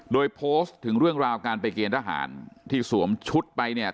โดยโพสต์ถึงเรื่องราวการไปเกณฑหารที่สวมชุดไปเนี่ย